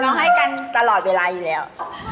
ให้กันตลอดเวลาอยู่แล้ว